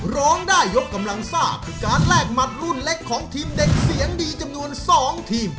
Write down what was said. ร้องได้ยกกำลังซ่าคือการแลกหมัดรุ่นเล็กของทีมเด็กเสียงดีจำนวน๒ทีม